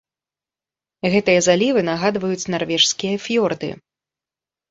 Гэтыя залівы нагадваюць нарвежскія фіёрды.